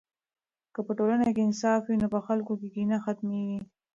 که په ټولنه کې انصاف وي نو په خلکو کې کینه ختمېږي.